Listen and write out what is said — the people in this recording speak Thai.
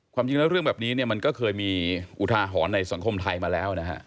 ความจริงแล้วเรื่องแบบนี้เนี่ยมันก็เคยมีอุทาหรณ์ในสังคมไทยมาแล้วนะฮะ